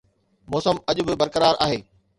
موسم اڄ به برقرار آهي